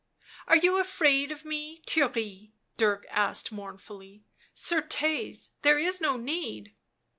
" Are you afraid of me, Theirry?" Dirk asked mourn fully. " Certes, there is no need."